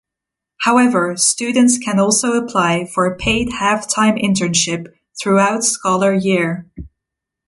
However, students can also apply for a paid halftime internship throughout scholar year.